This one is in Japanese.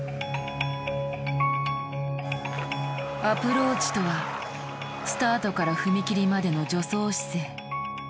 アプローチとはスタートから踏切までの助走姿勢。